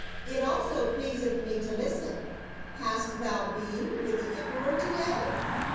" It also pleaseth me to listen. Hast thou been with the emperor to day